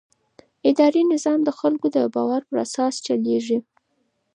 اداري نظام د خلکو د باور پر اساس چلېږي.